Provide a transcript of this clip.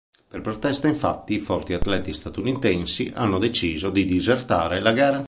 Per protesta, infatti, i forti atleti statunitensi hanno deciso di disertare la gara.